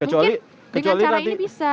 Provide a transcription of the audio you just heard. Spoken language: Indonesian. mungkin dengan cara ini bisa